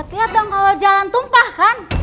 lihat dong kalau jalan tumpah kan